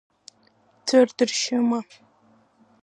Ӡәыр дыршьыма?